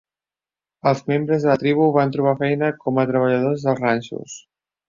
Els membres de la tribu van trobar feina com a treballadors dels ranxos.